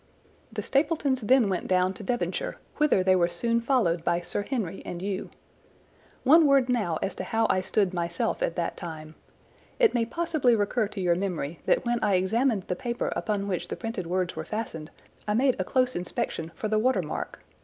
"The Stapletons then went down to Devonshire, whither they were soon followed by Sir Henry and you. One word now as to how I stood myself at that time. It may possibly recur to your memory that when I examined the paper upon which the printed words were fastened I made a close inspection for the water mark.